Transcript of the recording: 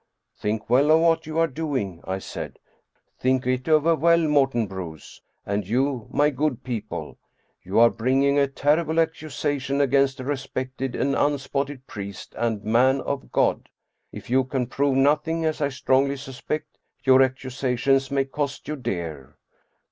" Think well of what you are doing," I said. " Think it over well, Morten Bruus, and you, my good people. You are bringing a terrible accusation against a respected and unspotted priest and man of God. If you can prove noth ing, as I strongly suspect, your accusations may cost you dear."